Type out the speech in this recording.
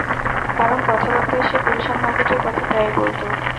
কারণ কথাবার্তায় সে গুলশান মার্কেটের কথা প্রায়ই বলত।